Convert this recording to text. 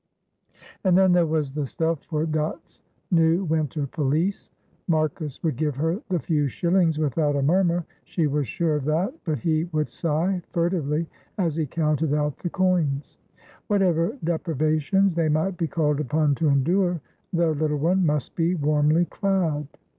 And then there was the stuff for Dot's new winter pelisse. Marcus would give her the few shillings without a murmur, she was sure of that, but he would sigh furtively as he counted out the coins. Whatever deprivations they might be called upon to endure their little one must be warmly clad.